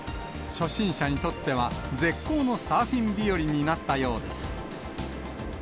初心者にとっては、絶好のサーフィン日和になったようです。